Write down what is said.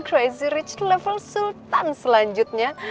crazy rich level sultan selanjutnya